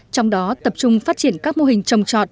trong đó tập trung phát triển các mô hình trồng trọt